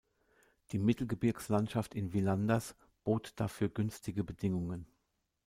Die Mittelgebirgslandschaft in Villanders bot dafür günstige Bedingungen.